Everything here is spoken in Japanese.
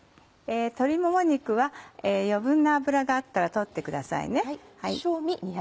鶏もも肉は余分な脂があったら取ってくださいね。